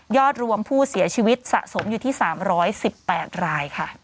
รวมผู้เสียชีวิตสะสมอยู่ที่๓๑๘รายค่ะ